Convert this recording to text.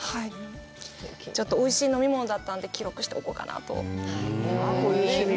ちょっとおいしい飲み物だったんで、記録しておこうかなと。